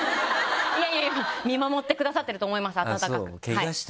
いや見守ってくださってると思います温かく。